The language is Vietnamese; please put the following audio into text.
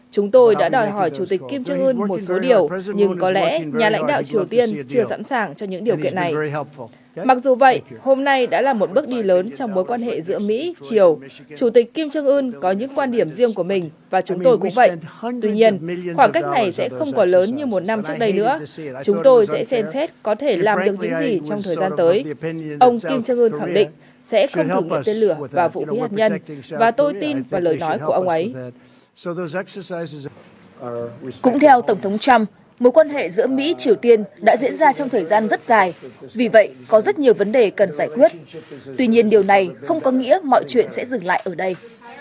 cũng theo tổng thống trump mối quan hệ giữa mỹ triều tiên đã diễn ra trong thời gian rất dài vì vậy có rất nhiều vấn đề cần giải quyết tuy nhiên điều này không có nghĩa mọi chuyện sẽ dừng lại ở đây